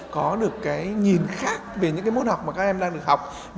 có được cái nhìn khác về những cái môn học mà các em đang được học